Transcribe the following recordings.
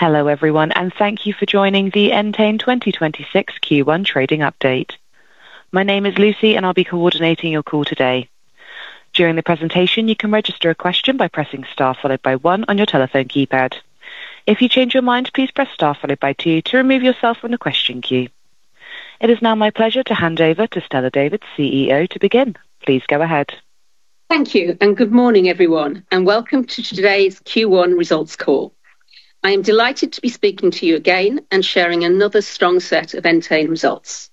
Hello everyone, and thank you for joining the Entain 2026 Q1 trading update. My name is Lucy and I'll be coordinating your call today. During the presentation, you can register a question by pressing star followed by one on your telephone keypad. If you change your mind, please press star followed by two to remove yourself from the question queue. It is now my pleasure to hand over to Stella David, CEO, to begin. Please go ahead. Thank you, and good morning, everyone, and welcome to today's Q1 results call. I am delighted to be speaking to you again and sharing another strong set of Entain results.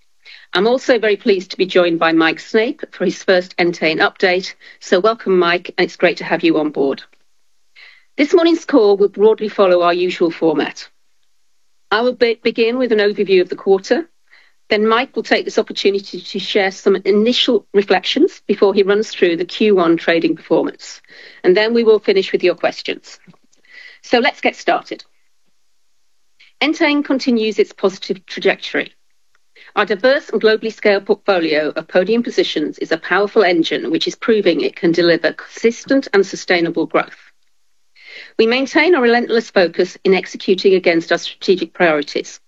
I'm also very pleased to be joined by Mike Snape for his first Entain update. Welcome, Mike, and it's great to have you on board. This morning's call will broadly follow our usual format. I will begin with an overview of the quarter, then Mike will take this opportunity to share some initial reflections before he runs through the Q1 trading performance. Then we will finish with your questions. Let's get started. Entain continues its positive trajectory. Our diverse and globally scaled portfolio of podium positions is a powerful engine which is proving it can deliver consistent and sustainable growth. We maintain a relentless focus in executing against our strategic priorities,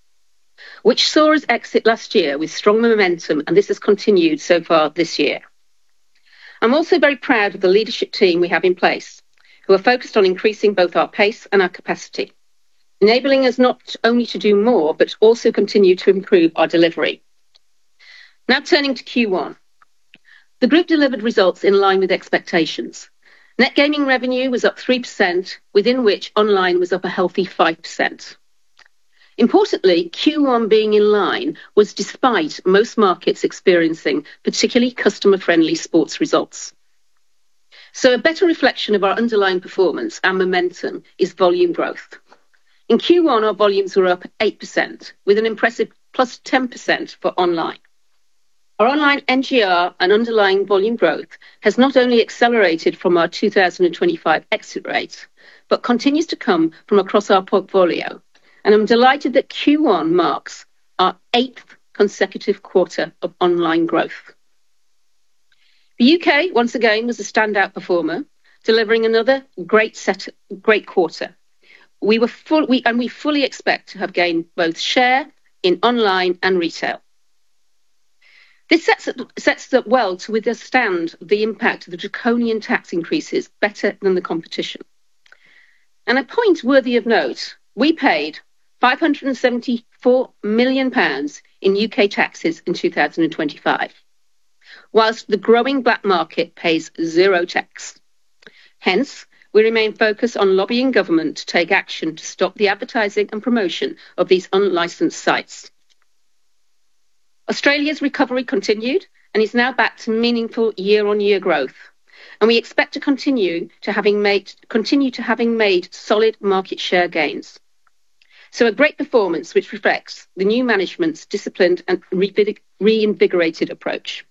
which saw us exit last year with strong momentum, and this has continued so far this year. I'm also very proud of the leadership team we have in place who are focused on increasing both our pace and our capacity, enabling us not only to do more, but to also continue to improve our delivery. Now turning to Q1. The group delivered results in line with expectations. Net gaming revenue was up 3%, within which online was up a healthy 5%. Importantly, Q1 being in line was despite most markets experiencing particularly customer-friendly sports results. A better reflection of our underlying performance and momentum is volume growth. In Q1, our volumes were up 8% with an impressive +10% for online. Our online NGR and underlying volume growth has not only accelerated from our 2025 exit rates, but continues to come from across our portfolio, and I'm delighted that Q1 marks our eighth consecutive quarter of online growth. The U.K., once again, was a standout performer, delivering another great quarter. We fully expect to have gained both share in online and retail. This sets it up well to withstand the impact of the draconian tax increases better than the competition. A point worthy of note, we paid 574 million pounds in U.K. taxes in 2025, while the growing black market pays zero tax. Hence, we remain focused on lobbying government to take action to stop the advertising and promotion of these unlicensed sites. Australia's recovery continued and is now back to meaningful year-on-year growth, and we expect to continue to have made solid market share gains. A great performance which reflects the new management's disciplined and reinvigorated approach.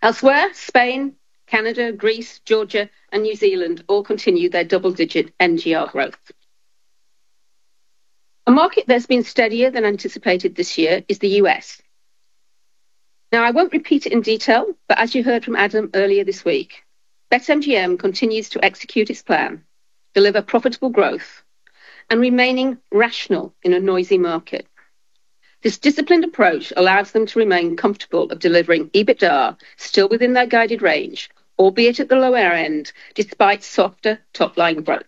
Elsewhere, Spain, Canada, Greece, Georgia, and New Zealand all continued their double-digit NGR growth. A market that's been steadier than anticipated this year is the U.S. Now, I won't repeat it in detail, but as you heard from Adam earlier this week, BetMGM continues to execute its plan, deliver profitable growth, and remaining rational in a noisy market. This disciplined approach allows them to remain comfortable of delivering EBITDA still within their guided range, albeit at the lower end, despite softer top-line growth.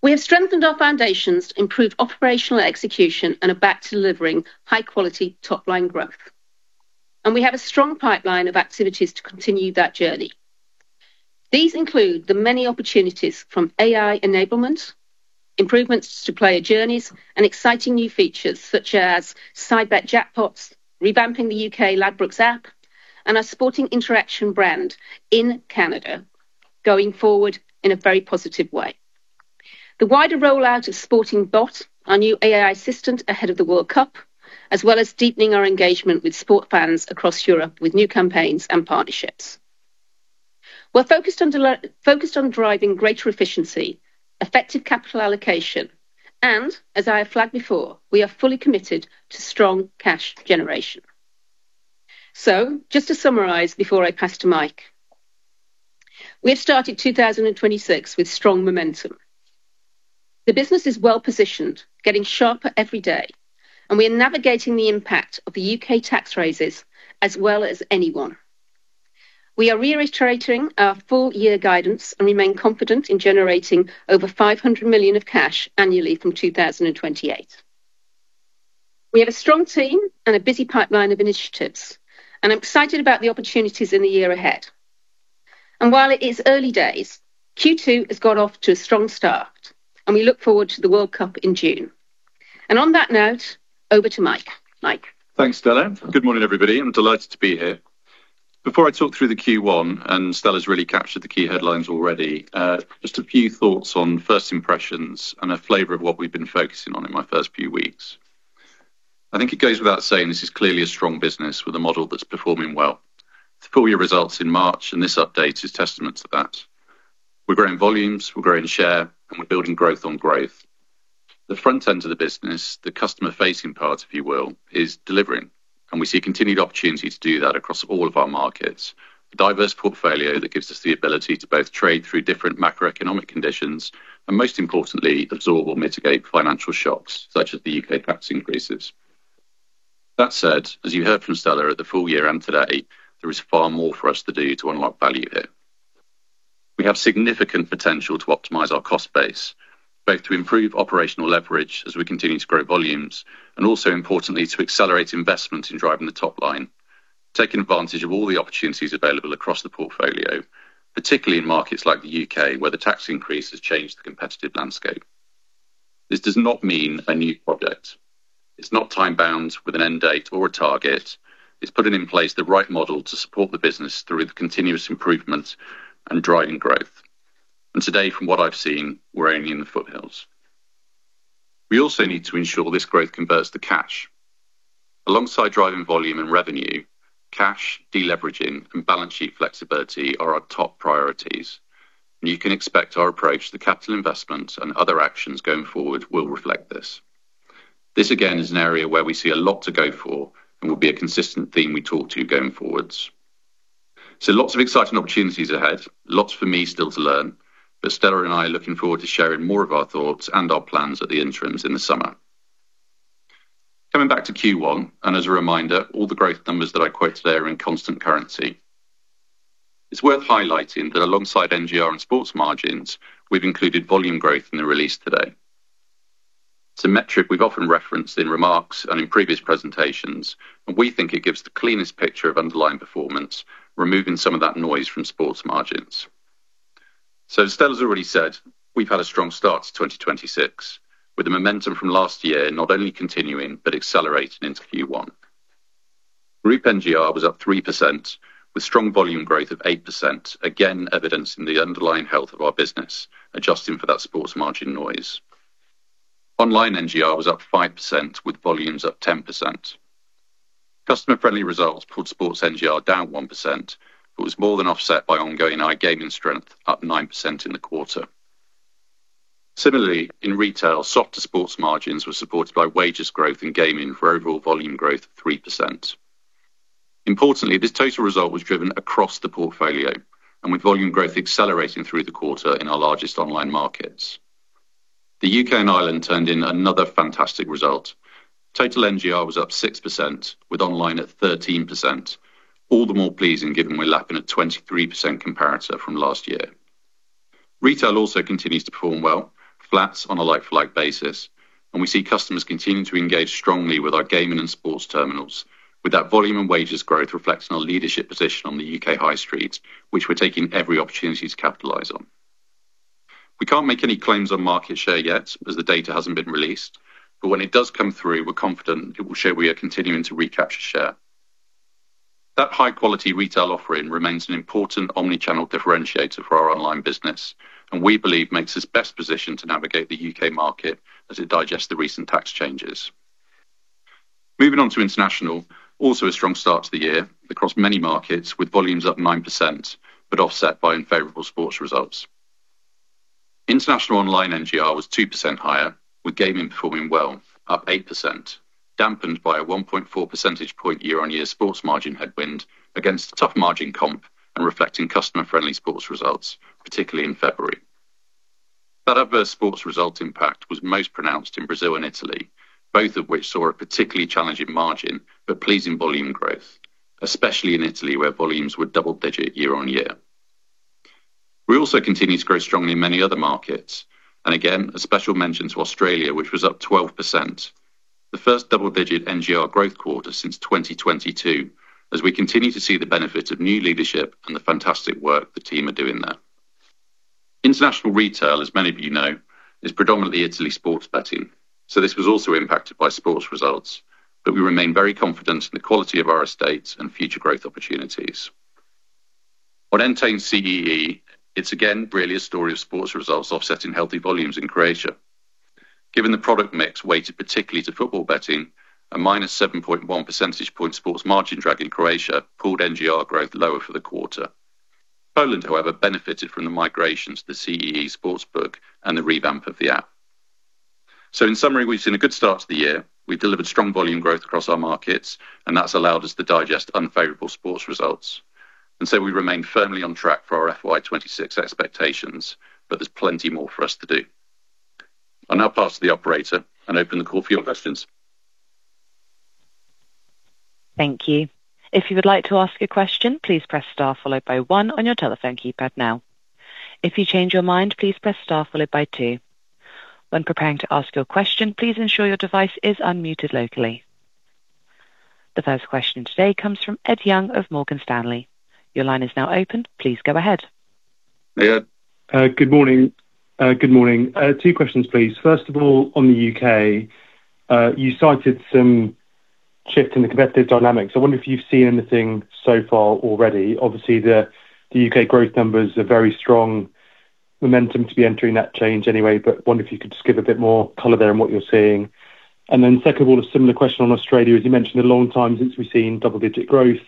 We have strengthened our foundations to improve operational execution and are back to delivering high-quality top-line growth. We have a strong pipeline of activities to continue that journey. These include the many opportunities from AI enablement, improvements to player journeys, and exciting new features such as Side Bet Jackpots, revamping the U.K. Ladbrokes app, our Sports Interaction brand in Canada going forward in a very positive way, the wider rollout of SportingBOT, our new AI assistant ahead of the World Cup, as well as deepening our engagement with sports fans across Europe with new campaigns and partnerships. We're focused on driving greater efficiency, effective capital allocation, and as I have flagged before, we are fully committed to strong cash generation. Just to summarize, before I pass to Mike. We have started 2026 with strong momentum. The business is well-positioned, getting sharper every day, and we are navigating the impact of the U.K. tax raises as well as anyone. We are reiterating our full year guidance and remain confident in generating over 500 million of cash annually from 2028. We have a strong team and a busy pipeline of initiatives, and I'm excited about the opportunities in the year ahead. While it is early days, Q2 has got off to a strong start, and we look forward to the World Cup in June. On that note, over to Mike. Mike. Thanks, Stella. Good morning, everybody. I'm delighted to be here. Before I talk through the Q1, and Stella's really captured the key headlines already, just a few thoughts on first impressions and a flavor of what we've been focusing on in my first few weeks. I think it goes without saying. This is clearly a strong business with a model that's performing well. The full-year results in March and this update is testament to that. We're growing volumes, we're growing share, and we're building growth on growth. The front end of the business, the customer-facing part, if you will, is delivering, and we see continued opportunity to do that across all of our markets. A diverse portfolio that gives us the ability to both trade through different macroeconomic conditions and most importantly, absorb or mitigate financial shocks, such as the U.K. tax increases. That said, as you heard from Stella at the full year end today, there is far more for us to do to unlock value here. We have significant potential to optimize our cost base, both to improve operational leverage as we continue to grow volumes, and also importantly, to accelerate investment in driving the top line, taking advantage of all the opportunities available across the portfolio, particularly in markets like the U.K. where the tax increase has changed the competitive landscape. This does not mean a new project. It's not time-bound with an end date or a target. It's putting in place the right model to support the business through the continuous improvement and driving growth. Today, from what I've seen, we're only in the foothills. We also need to ensure this growth converts to cash. Alongside driving volume and revenue, cash, deleveraging, and balance sheet flexibility are our top priorities. You can expect our approach to capital investment and other actions going forward will reflect this. This again, is an area where we see a lot to go for and will be a consistent theme we talk to going forwards. Lots of exciting opportunities ahead. Lots for me still to learn, but Stella and I are looking forward to sharing more of our thoughts and our plans at the interims in the summer. Coming back to Q1, and as a reminder, all the growth numbers that I quote today are in constant currency. It's worth highlighting that alongside NGR and sports margins, we've included volume growth in the release today. It's a metric we've often referenced in remarks and in previous presentations, and we think it gives the cleanest picture of underlying performance, removing some of that noise from sports margins. As Stella's already said, we've had a strong start to 2026, with the momentum from last year not only continuing, but accelerating into Q1. Group NGR was up 3% with strong volume growth of 8%, again, evidencing the underlying health of our business, adjusting for that sports margin noise. Online NGR was up 5% with volumes up 10%. Customer-friendly results put sports NGR down 1%, but was more than offset by ongoing iGaming strength up 9% in the quarter. Similarly, in retail, softer sports margins were supported by wager growth and gaming for overall volume growth of 3%. Importantly, this total result was driven across the portfolio and with volume growth accelerating through the quarter in our largest online markets. The U.K. and Ireland turned in another fantastic result. Total NGR was up 6% with online at 13%, all the more pleasing given we're lapping a 23% comparator from last year. Retail also continues to perform well, flat on a like-for-like basis, and we see customers continuing to engage strongly with our gaming and sports terminals. With that volume and wager growth reflecting our leadership position on the U.K. high street, which we're taking every opportunity to capitalize on. We can't make any claims on market share yet as the data hasn't been released, but when it does come through, we're confident it will show we are continuing to recapture share. That high-quality retail offering remains an important omni-channel differentiator for our online business, and we believe makes us best positioned to navigate the U.K. market as it digests the recent tax changes. Moving on to international, also a strong start to the year across many markets with volumes up 9%, but offset by unfavorable sports results. International online NGR was 2% higher, with gaming performing well up 8%, dampened by a 1.4 percentage point year-on-year sports margin headwind against tough margin comp and reflecting customer friendly sports results, particularly in February. That adverse sports result impact was most pronounced in Brazil and Italy, both of which saw a particularly challenging margin but pleasing volume growth, especially in Italy, where volumes were double-digit year-on-year. We also continue to grow strongly in many other markets, and again, a special mention to Australia, which was up 12%. The first double-digit NGR growth quarter since 2022, as we continue to see the benefit of new leadership and the fantastic work the team are doing there. International retail, as many of you know, is predominantly Italy sports betting, so this was also impacted by sports results. We remain very confident in the quality of our estates and future growth opportunities. What Entain CEE, it's again, really a story of sports results offsetting healthy volumes in Croatia. Given the product mix weighted particularly to football betting, a -7.1 percentage point sports margin drag in Croatia pulled NGR growth lower for the quarter. Poland, however, benefited from the migration to the CEE sports book and the revamp of the app. In summary, we've seen a good start to the year. We've delivered strong volume growth across our markets, and that's allowed us to digest unfavorable sports results. We remain firmly on track for our FY 2026 expectations, but there's plenty more for us to do. I'll now pass to the operator and open the call for your questions. The first question today comes from Ed Young of Morgan Stanley. Your line is now open. Please go ahead. Hi, Ed. Good morning. Two questions, please. First of all, on the U.K., you cited some shift in the competitive dynamics. I wonder if you've seen anything so far already. Obviously, the U.K. growth numbers are very strong momentum to be entering that change anyway, but I wonder if you could just give a bit more color there on what you're seeing. Second of all, a similar question on Australia. As you mentioned, a long time since we've seen double-digit growth,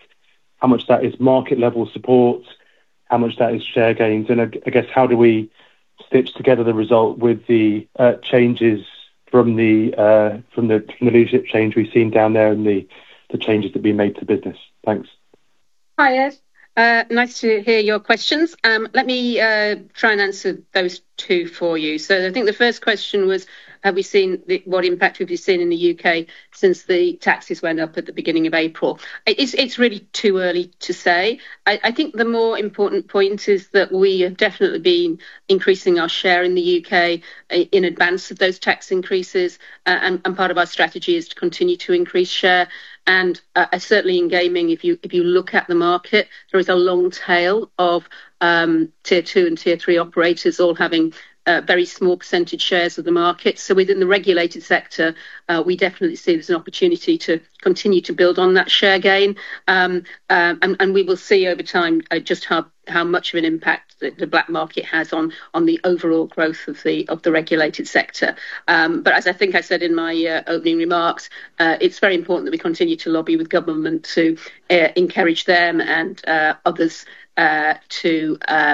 how much of that is market level support? How much of that is share gains, and I guess how do we stitch together the result with the changes from the leadership change we've seen down there and the changes that we made to the business? Thanks. Hi, Ed. Nice to hear your questions. Let me try and answer those two for you. I think the first question was, what impact have we seen in the U.K. since the taxes went up at the beginning of April? It's really too early to say. I think the more important point is that we have definitely been increasing our share in the U.K. in advance of those tax increases, and part of our strategy is to continue to increase share. Certainly in gaming, if you look at the market, there is a long tail of tier two and tier three operators all having very small percentage shares of the market. Within the regulated sector, we definitely see there's an opportunity to continue to build on that share gain. We will see over time just how much of an impact the black market has on the overall growth of the regulated sector. As I think I said in my opening remarks, it's very important that we continue to lobby with government to encourage them and others to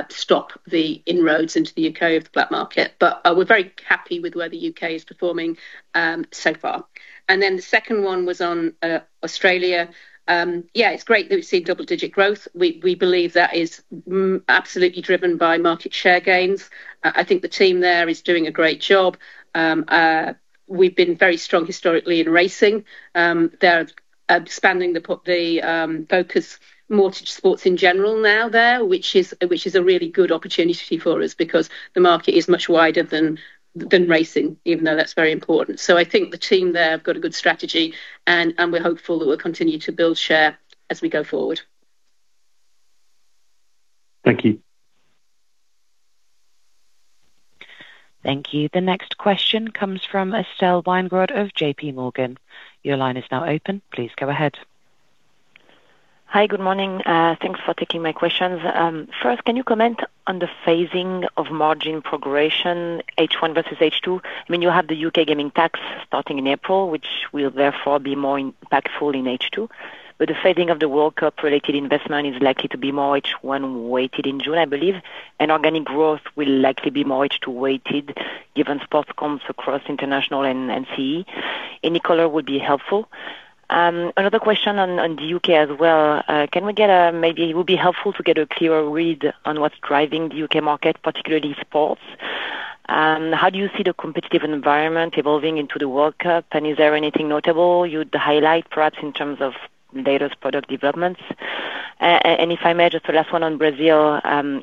stop the inroads into the U.K. of the black market. We're very happy with the way the U.K. is performing so far. The second one was on Australia. Yeah, it's great that we've seen double-digit growth. We believe that is absolutely driven by market share gains. I think the team there is doing a great job. We've been very strong historically in racing. They're expanding the focus more to sports in general now there, which is a really good opportunity for us because the market is much wider than racing, even though that's very important. I think the team there have got a good strategy, and we're hopeful that we'll continue to build share as we go forward. Thank you. Thank you. The next question comes from Estelle Weingrod of J.P. Morgan. Your line is now open. Please go ahead. Hi. Good morning. Thanks for taking my questions. First, can you comment on the phasing of margin progression, H1 versus H2? When you have the U.K. gaming tax starting in April, which will therefore be more impactful in H2. The phasing of the World Cup-related investment is likely to be more H1 weighted in June, I believe, and organic growth will likely be more H2 weighted given sports comps across international and CE. Any color would be helpful. Another question on the U.K. as well. Maybe it would be helpful to get a clearer read on what's driving the U.K. market, particularly sports. How do you see the competitive environment evolving into the World Cup? Is there anything notable you'd highlight, perhaps, in terms of latest product developments? If I may, just the last one on Brazil,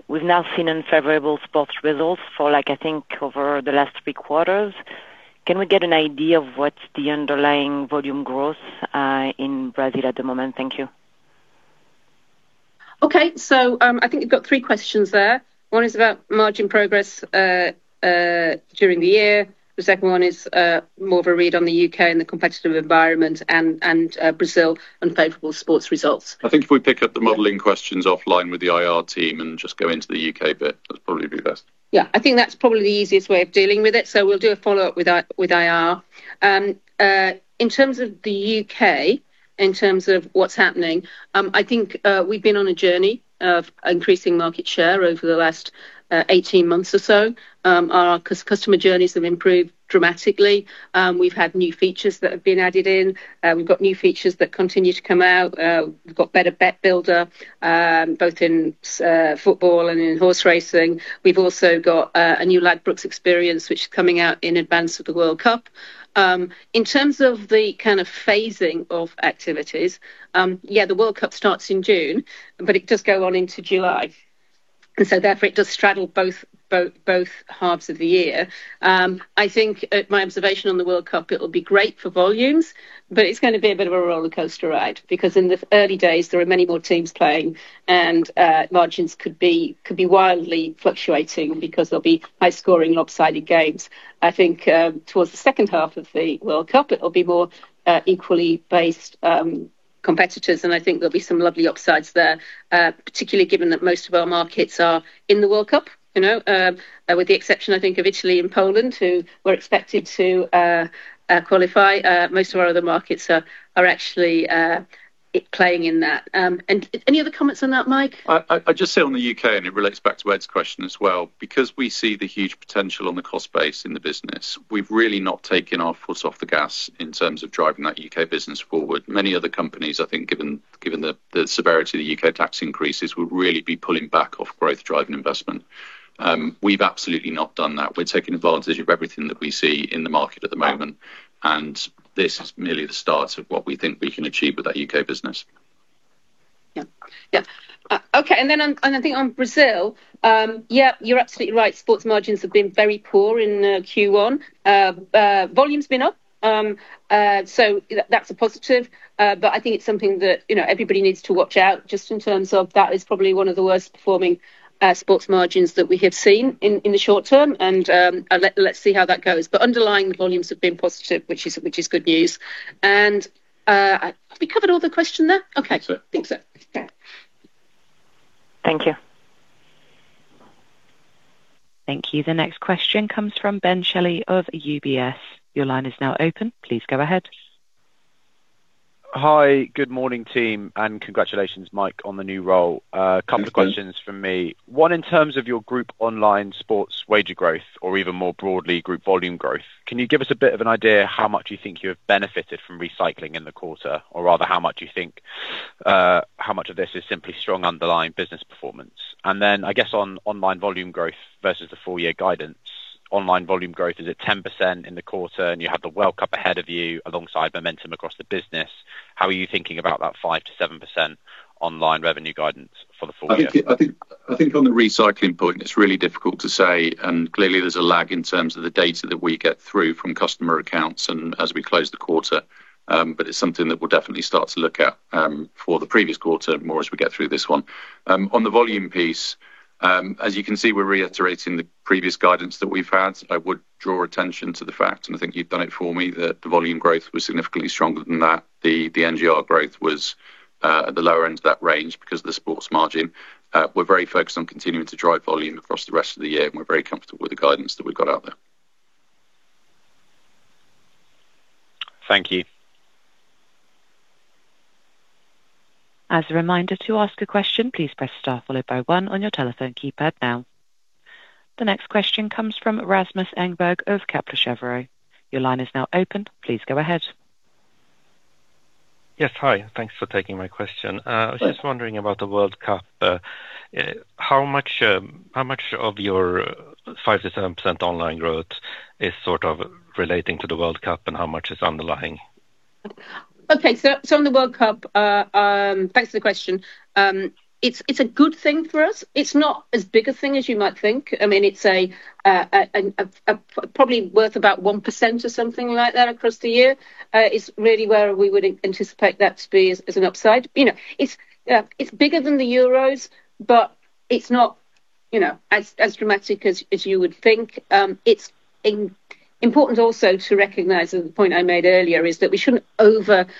we've now seen unfavorable sports results for, I think, over the last three quarters. Can we get an idea of what's the underlying volume growth in Brazil at the moment? Thank you. Okay. I think you've got three questions there. One is about margin progress during the year, the second one is more of a read on the U.K. and the competitive environment and Brazil unfavorable sports results. I think if we pick up the modeling questions offline with the IR team and just go into the U.K. bit, that'd probably be best. Yeah, I think that's probably the easiest way of dealing with it. We'll do a follow-up with IR. In terms of the U.K., in terms of what's happening, I think we've been on a journey of increasing market share over the last 18 months or so. Our customer journeys have improved dramatically. We've had new features that have been added in. We've got new features that continue to come out. We've got better bet builder, both in football and in horse racing. We've also got a new Ladbrokes experience, which is coming out in advance of the World Cup. In terms of the kind of phasing of activities, yeah, the World Cup starts in June, but it does go on into July. Therefore, it does straddle both halves of the year. I think my observation on the World Cup, it'll be great for volumes, but it's going to be a bit of a roller coaster ride because in the early days, there are many more teams playing and margins could be wildly fluctuating because there'll be high-scoring lopsided games. I think towards the second half of the World Cup, it'll be more equally based competitors, and I think there'll be some lovely upsides there, particularly given that most of our markets are in the World Cup. With the exception, I think, of Italy and Poland who were expected to qualify, most of our other markets are actually playing in that. Any other comments on that, Mike? I'd just say on the U.K., and it relates back to Ed's question as well, because we see the huge potential on the cost base in the business, we've really not taken our foot off the gas in terms of driving that U.K. business forward. Many other companies, I think given the severity of the U.K. tax increases, would really be pulling back on growth-driving investment. We've absolutely not done that. We're taking advantage of everything that we see in the market at the moment, and this is merely the start of what we think we can achieve with that U.K. business. Yeah. Okay, I think on Brazil, yeah, you're absolutely right. Sports margins have been very poor in Q1. Volume's been up, so that's a positive. I think it's something that everybody needs to watch out just in terms of that is probably one of the worst-performing sports margins that we have seen in the short term and let's see how that goes. Underlying volumes have been positive, which is good news. Have we covered all the question there? Okay. That's it. Think so. Yeah. Thank you. Thank you. The next question comes from Ben Shelley of UBS. Your line is now open. Please go ahead. Hi, good morning, team, and congratulations, Mike, on the new role. Thank you. A couple of questions from me. One, in terms of your group online sports wager growth, or even more broadly, group volume growth, can you give us a bit of an idea how much you think you have benefited from recycling in the quarter? Or rather, how much of this is simply strong underlying business performance? I guess on online volume growth versus the full year guidance, online volume growth is at 10% in the quarter, and you have the World Cup ahead of you alongside momentum across the business. How are you thinking about that 5%-7% online revenue guidance for the full year? I think, on the recycling point, it's really difficult to say, and clearly there's a lag in terms of the data that we get through from customer accounts and as we close the quarter. It's something that we'll definitely start to look at for the previous quarter more as we get through this one. On the volume piece, as you can see, we're reiterating the previous guidance that we've had. I would draw attention to the fact, and I think you've done it for me, that the volume growth was significantly stronger than that. The NGR growth was at the lower end of that range because of the sports margin. We're very focused on continuing to drive volume across the rest of the year, and we're very comfortable with the guidance that we've got out there. Thank you. As a reminder, to ask a question, please press star followed by one on your telephone keypad now. The next question comes from Rasmus Engberg of Kepler Cheuvreux. Your line is now open. Please go ahead. Yes, hi. Thanks for taking my question. Sure. I was just wondering about the World Cup. How much of your 5%-7% online growth is sort of relating to the World Cup, and how much is underlying? Okay. On the World Cup, thanks for the question. It's a good thing for us. It's not as big a thing as you might think. It's probably worth about 1% or something like that across the year, is really where we would anticipate that to be as an upside. It's bigger than the Euros, but it's not as dramatic as you would think. It's important also to recognize, and the point I made earlier, is that we shouldn't over-commit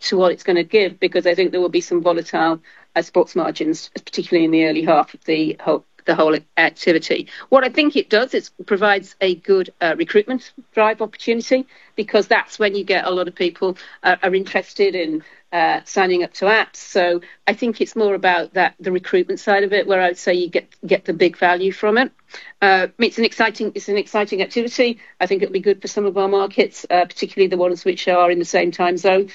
to what it's going to give, because I think there will be some volatile sports margins, particularly in the early half of the whole activity. What I think it does is provides a good recruitment drive opportunity, because that's when you get a lot of people are interested in signing up to apps. I think it's more about the recruitment side of it, where I would say you get the big value from it. It's an exciting activity. I think it'll be good for some of our markets, particularly the ones which are in the same time zone.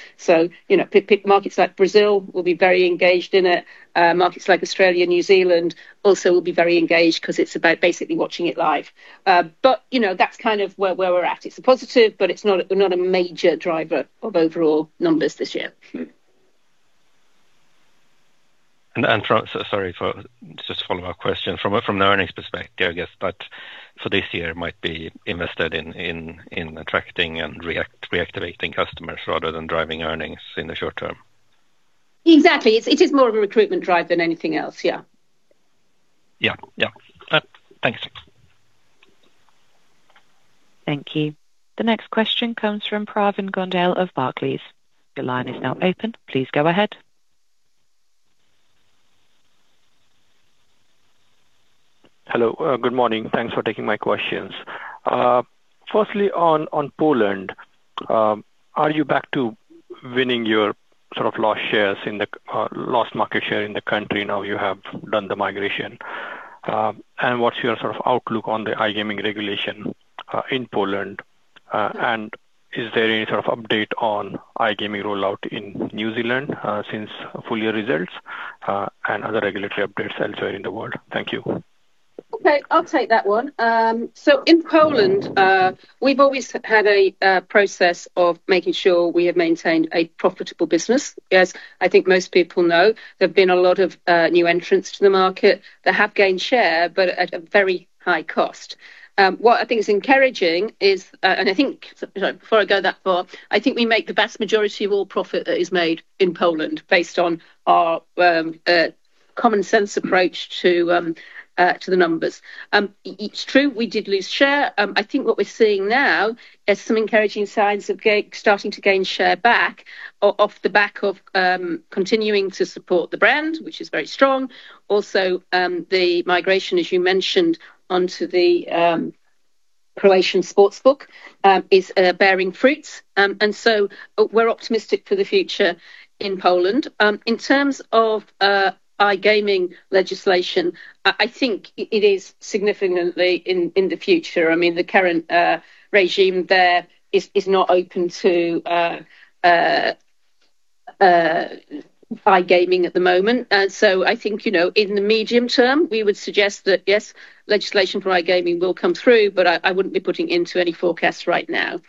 Markets like Brazil will be very engaged in it. Markets like Australia, New Zealand also will be very engaged because it's about basically watching it live. That's kind of where we're at. It's a positive, but it's not a major driver of overall numbers this year. Sorry for, just a follow-up question. From the earnings perspective, I guess, but for this year might be invested in attracting and reactivating customers rather than driving earnings in the short term. Exactly. It is more of a recruitment drive than anything else. Yeah. Yeah. Thanks. Thank you. The next question comes from Pravin Gondhale of Barclays. Your line is now open. Please go ahead. Hello, good morning. Thanks for taking my questions. First, on Poland, are you back to winning your sort of lost market share in the country now you have done the migration? And what's your sort of outlook on the iGaming regulation in Poland? And is there any sort of update on iGaming rollout in New Zealand since full year results, and other regulatory updates elsewhere in the world? Thank you. Okay, I'll take that one. In Poland, we've always had a process of making sure we have maintained a profitable business. As I think most people know, there have been a lot of new entrants to the market that have gained share, but at a very high cost. What I think is encouraging is, sorry, before I go that far, I think we make the vast majority of all profit that is made in Poland based on our common sense approach to the numbers. It's true, we did lose share. I think what we're seeing now is some encouraging signs of starting to gain share back off the back of continuing to support the brand, which is very strong. Also, the migration, as you mentioned, onto the Croatian sports book, is bearing fruits. We're optimistic for the future in Poland. In terms of iGaming legislation, I think it is significantly in the future. The current regime there is not open to iGaming at the moment. I think, in the medium term, we would suggest that, yes, legislation for iGaming will come through, but I wouldn't be putting into any forecasts right now.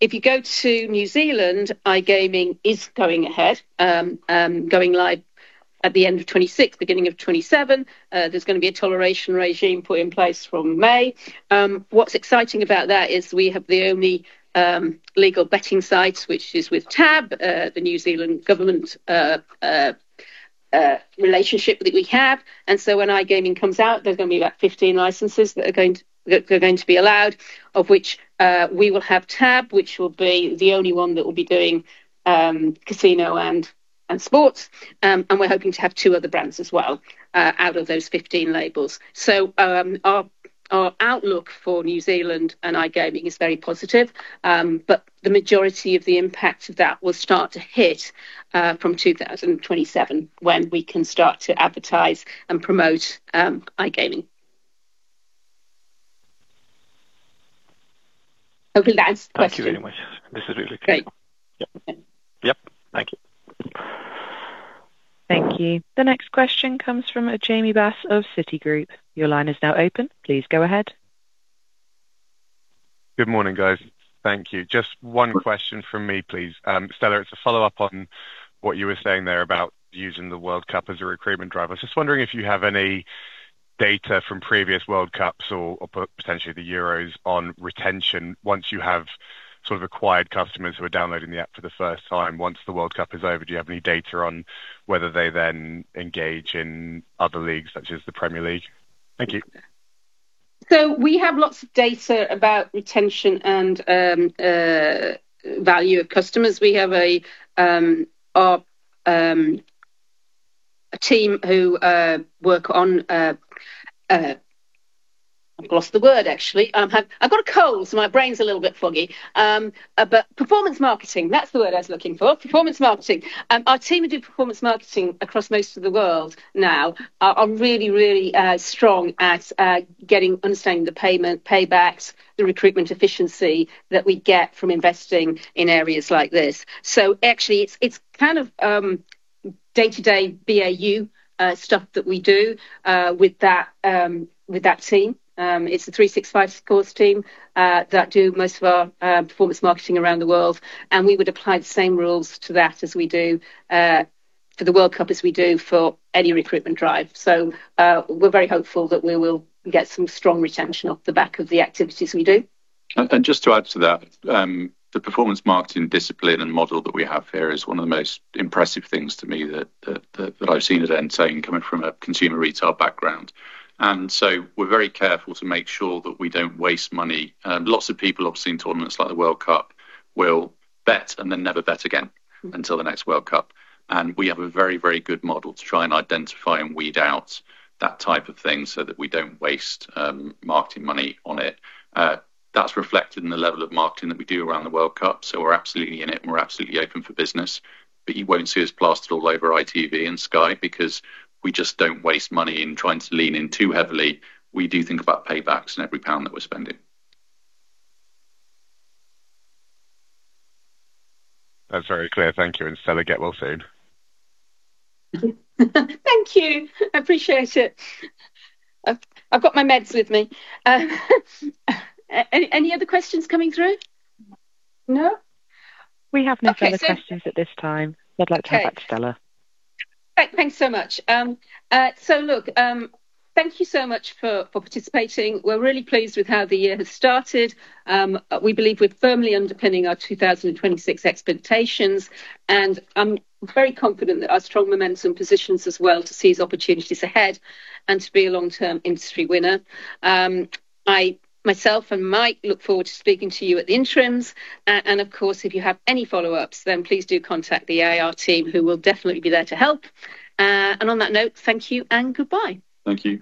If you go to New Zealand, iGaming is going ahead, going live at the end of 2026, beginning of 2027. There's going to be a toleration regime put in place from May. What's exciting about that is we have the only legal betting site, which is with TAB, the New Zealand government relationship that we have. When iGaming comes out, there's going to be like 15 licenses that are going to be allowed, of which we will have TAB, which will be the only one that will be doing casino and sports. We're hoping to have two other brands as well out of those 15 licenses. Our outlook for New Zealand and iGaming is very positive, but the majority of the impact of that will start to hit from 2027, when we can start to advertise and promote iGaming. Hopefully that answered the question. Thank you very much. This is really clear. Great. Yep. Thank you. Thank you. The next question comes from Jamie Bass of Citigroup. Your line is now open. Please go ahead. Good morning, guys. Thank you. Just one question from me, please. Stella, it's a follow-up on what you were saying there about using the World Cup as a recruitment driver. I was just wondering if you have any data from previous World Cups or potentially the Euros on retention once you have acquired customers who are downloading the app for the first time, once the World Cup is over, do you have any data on whether they then engage in other leagues such as the Premier League? Thank you. We have lots of data about retention and value of customers. We have a team. I've lost the word, actually. I've got a cold, so my brain's a little bit foggy. Performance marketing, that's the word I was looking for. Performance marketing. Our team who do performance marketing across most of the world now are really strong at understanding the pay-ins, paybacks, the recruitment efficiency that we get from investing in areas like this. Actually, it's kind of day-to-day BAU stuff that we do with that team. It's the 365 Scores team that do most of our performance marketing around the world, and we would apply the same rules to that as we do for the World Cup, as we do for any recruitment drive. We're very hopeful that we will get some strong retention off the back of the activities we do. Just to add to that, the performance marketing discipline and model that we have here is one of the most impressive things to me that I've seen at Entain, coming from a consumer retail background. We're very careful to make sure that we don't waste money. Lots of people, obviously, in tournaments like the World Cup will bet and then never bet again until the next World Cup. We have a very good model to try and identify and weed out that type of thing so that we don't waste marketing money on it. That's reflected in the level of marketing that we do around the World Cup. We're absolutely in it and we're absolutely open for business, but you won't see us plastered all over ITV and Sky because we just don't waste money in trying to lean in too heavily. We do think about paybacks in every pound that we're spending. That's very clear. Thank you. Stella, get well soon. Thank you. I appreciate it. I've got my meds with me. Any other questions coming through? No. We have no further questions at this time. Okay. I'd like to hand back to Stella. Thanks so much. Look, thank you so much for participating. We're really pleased with how the year has started. We believe we're firmly underpinning our 2026 expectations, and I'm very confident that our strong momentum positions us well to seize opportunities ahead and to be a long-term industry winner. Myself and Mike look forward to speaking to you at the interims. And of course, if you have any follow-ups, then please do contact the IR team who will definitely be there to help. On that note, thank you and goodbye. Thank you.